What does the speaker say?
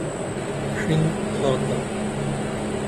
ڇھین تھاتہ